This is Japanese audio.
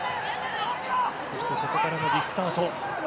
そしてここからのリスタート。